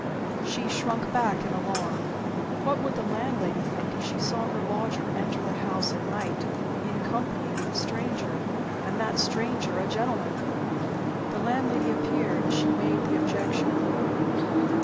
She shrunk back in alarm. What would the landlady think if she saw her lodger enter the house at night in company with a stranger, and that stranger a gentleman? The landlady appeared as she made the objection.